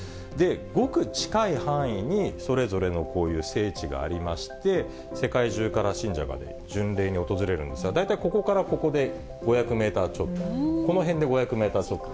ごく近い範囲に、それぞれのこういう聖地がありまして、世界中から信者が巡礼に訪れるんですが、大体ここからここで５００メーターちょっと、この辺で５００メーターちょっと。